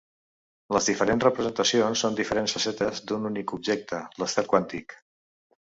Les diferents representacions són diferents facetes d'un únic objecte, l'estat quàntic.